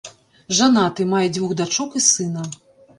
Жанаты, мае дзвюх дачок і сына.